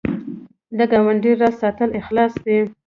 د ګاونډي راز ساتل اخلاص دی